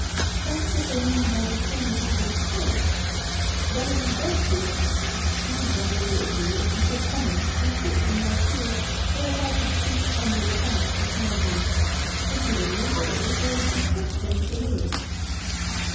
'That's what they mean by the stony hearted tyrant. But if he does feel How jolly it would be if he could come out and sit in my pew, or if I could creep under the font beside him. If he would move a little there would be just room for me.'